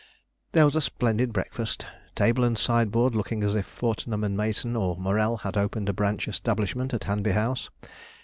There was a splendid breakfast, table and sideboard looking as if Fortnum and Mason or Morel had opened a branch establishment at Hanby House.